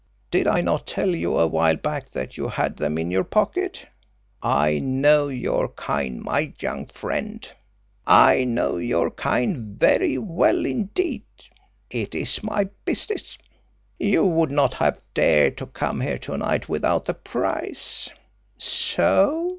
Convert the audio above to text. Did I not tell you a while back that you had them in your pocket? I know your kind, my young friend; I know your kind very well indeed it is my business. You would not have dared to come here to night without the price. So!